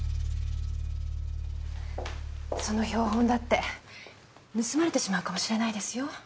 その標本だって盗まれてしまうかもしれないですよ。